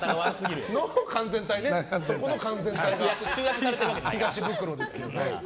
そこの完全体が東ブクロですけども。